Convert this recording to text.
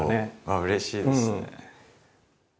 あっうれしいですね。